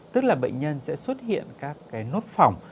tức là bệnh nhân sẽ xuất hiện các nốt phỏng